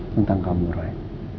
tentang kamu ray